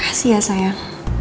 makasih ya sayang